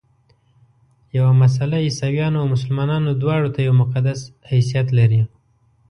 یوه مسله عیسویانو او مسلمانانو دواړو ته یو مقدس حیثیت لري.